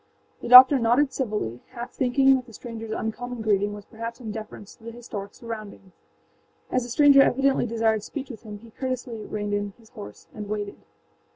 The doctor nodded civilly, half thinking that the strangerâs uncommon greeting was perhaps in deference to the historic surroundings. As the stranger evidently desired speech with him he courteously reined in his horse and waited.